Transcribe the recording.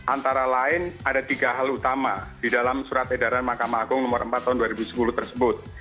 antara lain ada tiga hal utama di dalam surat edaran mahkamah agung nomor empat tahun dua ribu sepuluh tersebut